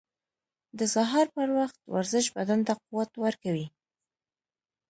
• د سهار پر وخت ورزش بدن ته قوت ورکوي.